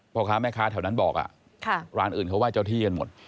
พ่อค้าแม่ค้าแถวนั้นบอกร้านอื่นเขาไห้เจ้าที่กันหมด